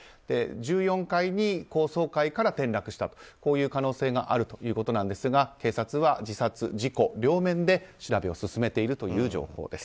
１４階高層階から転落したとこういう可能性があるということですが警察は自殺・事故両面で調べを進めているという情報です。